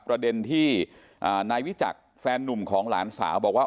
ประเด็นที่นายวิจักรแฟนนุ่มของหลานสาวบอกว่า